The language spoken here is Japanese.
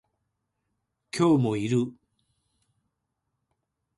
今日もいる